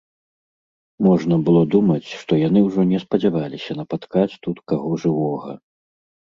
Можна было думаць, што яны ўжо не спадзяваліся напаткаць тут каго жывога.